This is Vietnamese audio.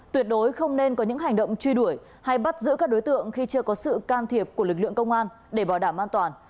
tuyệt đối không nên có những hành động truy đuổi hay bắt giữ các đối tượng khi chưa có sự can thiệp của lực lượng công an để bảo đảm an toàn